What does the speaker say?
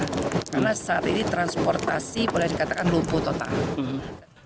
karena saat ini transportasi boleh dikatakan lumpuh total